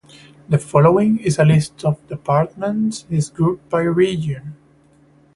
The following is a list of departments is grouped by region.